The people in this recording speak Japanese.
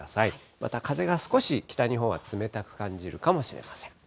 また風が少し北日本は冷たく感じるかもしれません。